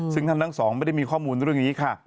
ซึ่งท่านทั้งสองไม่ได้มีข้อมูลเรื่องนี้ค่ะ